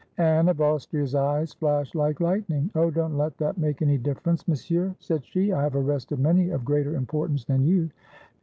Anne of Austria's eyes flashed like lightning. "Oh, don't let that make any difference. Monsieur," 257 FRANCE said she; "I have arrested many of greater importance then you.